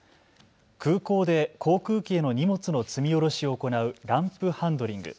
空港で航空機への荷物の積み降ろしを行うランプハンドリング。